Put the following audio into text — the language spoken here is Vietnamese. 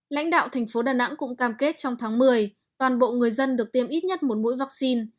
lãnh đạo thành phố đà nẵng cũng cam kết trong tháng một mươi toàn bộ người dân được tiêm ít nhất một mũi vaccine